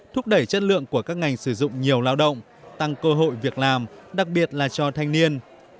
thúc đẩy chất lượng của các ngành sử dụng nhiều lao động tăng cơ hội việc làm đặc biệt là cho thanh niên